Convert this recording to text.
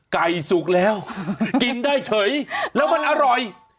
กสุกแล้วกินได้เฉยแล้วมันอร่อย